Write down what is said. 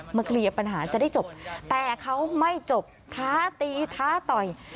เคลียร์ปัญหาจะได้จบแต่เขาไม่จบท้าตีท้าต่อย